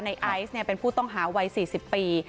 ในไอซ์เนี่ยเป็นผู้ต้องหาวัยสี่สิบปี